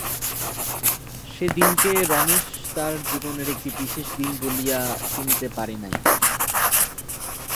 সে দিনকে রমেশ তাহার জীবনের একটি বিশেষ দিন বলিয়া চিনিতে পারে নাই।